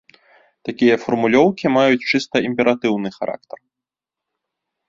Такія фармулёўкі маюць чыста імператыўны характар.